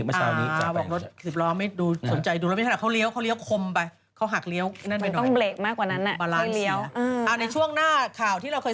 พ่อเชาไม่ได้เป็นอะไรเลยเหมือนแม่ปีเลย